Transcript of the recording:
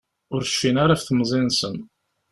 Ur cfin ara ɣef temẓi-nsen.